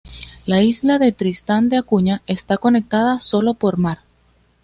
La isla de Tristan de Acuña está conectada sólo por mar.